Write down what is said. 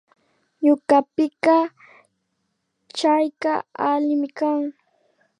Ñukapika chayka allimi kan